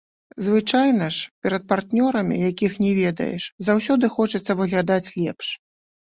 Звычайна ж перад партнёрамі, якіх не ведаеш, заўсёды хочацца выглядаць лепш.